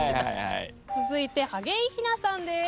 続いて景井ひなさんです。